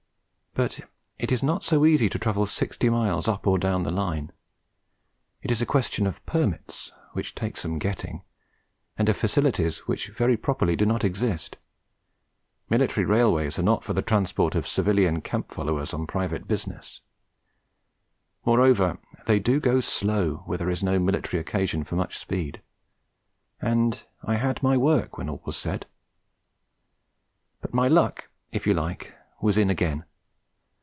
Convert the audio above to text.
But it is not so easy to travel sixty miles up or down the Line. It is a question of permits, which take some getting, and of facilities which very properly do not exist. Military railways are not for the transport of civilian camp followers on private business; moreover, they do go slow when there is no military occasion for much speed; and I had my work, when all was said. But my luck (if you like) was in again.